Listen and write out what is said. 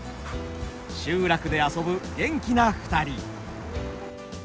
集落で遊ぶ元気な２人。